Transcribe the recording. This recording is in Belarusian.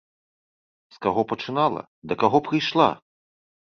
З каго пачынала, да каго прыйшла?